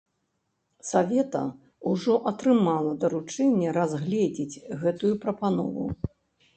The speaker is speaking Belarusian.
Савета ўжо атрымала даручэнне разгледзець гэтую прапанову.